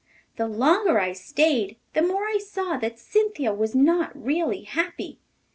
The longer I stayed the more I saw that Cynthia was not really happy.